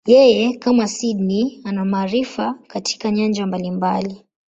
Yeye, kama Sydney, ana maarifa katika nyanja mbalimbali.